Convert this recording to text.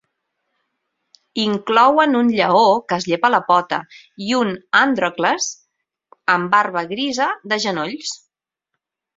Inclouen un lleó que es llepa la pota i un Àndrocles amb barba grisa de genolls.